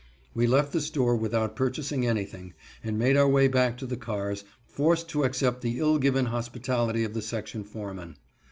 We left the store without purchasing anything and made our way back to the cars, forced to accept the ill given hospitality of the section foreman.